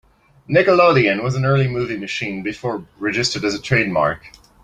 "Nickelodeon" was an early movie machine before registered as a trademark.